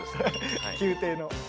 宮廷の。